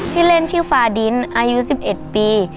ชื่อเล่นชื่อฟาดินอายุ๑๑ปี